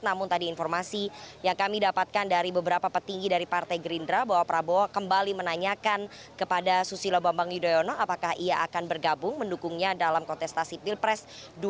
namun tadi informasi yang kami dapatkan dari beberapa petinggi dari partai gerindra bahwa prabowo kembali menanyakan kepada susilo bambang yudhoyono apakah ia akan bergabung mendukungnya dalam kontestasi pilpres dua ribu sembilan belas